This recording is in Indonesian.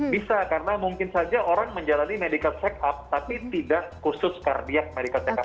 bisa karena mungkin saja orang menjalani medical check up tapi tidak khusus cardiak medical check up